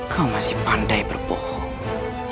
kau masih pandai berbohong